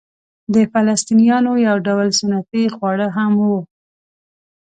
د فلسطنیانو یو ډول سنتي خواړه هم وو.